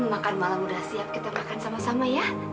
makan malam udah siap kita makan sama sama ya